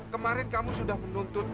kemarin kamu sudah menuntut